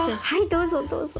どうぞどうぞ。